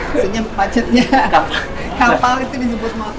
maksudnya macetnya kapal itu disebut motor